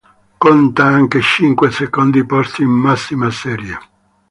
Conta anche cinque secondi posti in massima serie.